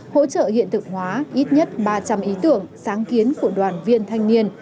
hỗ trợ hiện thực hóa ít nhất ba trăm linh ý tưởng sáng kiến của đoàn viên thanh niên